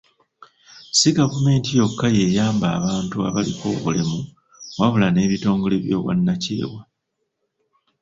Si gavumenti yokka y'eyamba abantu abaliko obulemu wabula n'ebitongole by'obwannakyewa.